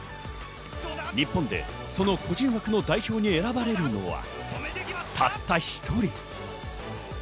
日本で、その個人枠の代表に選ばれるのはたった１人。